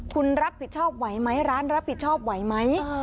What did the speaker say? คุณรับผิดชอบไหวไหมร้านรับผิดชอบไหวไหม